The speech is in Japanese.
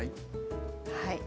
はい。